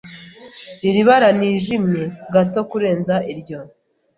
Iri bara nijimye gato kurenza iryo.